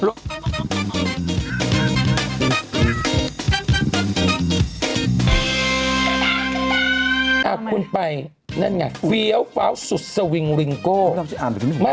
เอ้าคุณไปนั่นไง